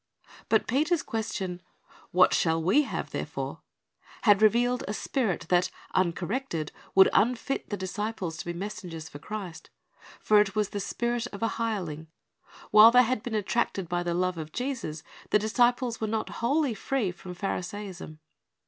But Peter's question, "What shall we have therefore?" had revealed a spirit, that, uncorrected, would unfit the disciples to be messengers for Christ; for it was the spirit of a hireling. While they had been attracted by the lo\'e of Jesus, the disciples were not wholly free from Pharisaism.